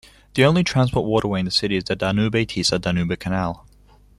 The only transport waterway in the city is the Danube-Tisa-Danube Canal.